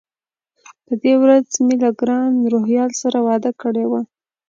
په دې ورځ مې له ګران روهیال سره وعده کړې وه.